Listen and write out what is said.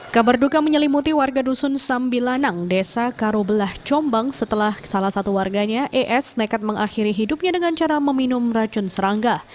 kabar duka menyelimuti warga dusun sambilanang desa karobelah jombang setelah salah satu warganya es nekat mengakhiri hidupnya dengan cara meminum racun serangga